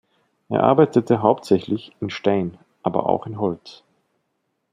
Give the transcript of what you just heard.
Er arbeitete hauptsächlich in Stein, aber auch in Holz.